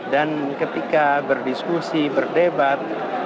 dan ketika berdiskusi berdebat